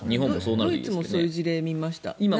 ドイツもそういう事例を見ました。